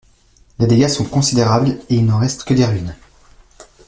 Les dégâts sont considérables et il n’en reste que des ruines.